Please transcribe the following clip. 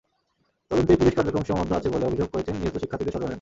তদন্তেই পুলিশের কার্যক্রম সীমাবদ্ধ আছে বলে অভিযোগ করেছেন নিহত শিক্ষার্থীদের স্বজনেরা।